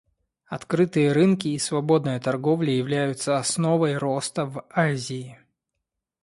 Открытые рынки и свободная торговля являются основой роста в Азии.